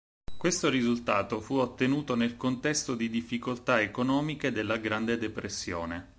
Questo risultato fu ottenuto nel contesto di difficoltà economiche della Grande Depressione.